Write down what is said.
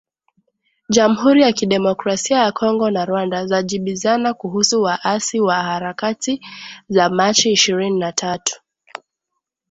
Jamhuri ya Kidemokrasia ya Kongo na Rwanda zajibizana kuhusu waasi wa Harakati za Machi ishirini na tatu.